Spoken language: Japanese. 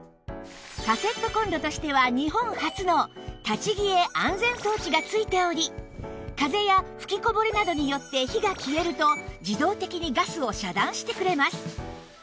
カセットコンロとしては日本初の立ち消え安全装置がついており風や噴きこぼれなどによって火が消えると自動的にガスを遮断してくれます